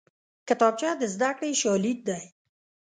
کتابچه د زدکړې شاليد دی